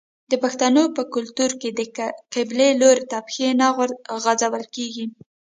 د پښتنو په کلتور کې د قبلې لوري ته پښې نه غځول کیږي.